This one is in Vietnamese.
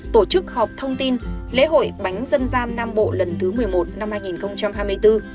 tổ chức họp thông tin lễ hội bánh dân gian nam bộ lần thứ một mươi một năm hai nghìn hai mươi bốn